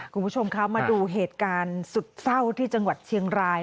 คุณผู้ชมคะมาดูเหตุการณ์สุดเศร้าที่จังหวัดเชียงราย